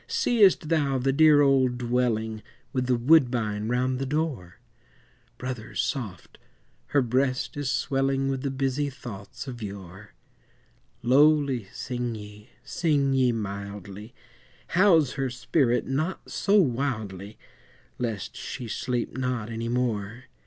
Seest thou the dear old dwelling With the woodbine round the door? Brothers, soft! her breast is swelling With the busy thoughts of yore; Lowly sing ye, sing ye mildly, House her spirit not so wildly, Lest she sleep not any more.